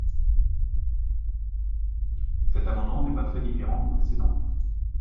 Cet amendement n’est pas très différent du précédent.